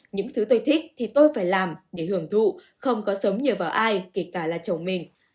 những thứ tôi thích thì tôi phải làm để hưởng thụ không có sống nhờ vào ai kể cả là chồng mình